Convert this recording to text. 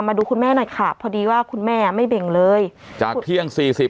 มาดูคุณแม่หน่อยค่ะพอดีว่าคุณแม่ไม่เบ่งเลยจากเที่ยงสี่สิบ